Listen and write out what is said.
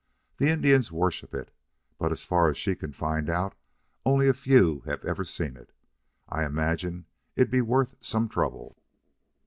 The Indians worship it, but as far as she can find out only a few have ever seen it. I imagine it'd be worth some trouble."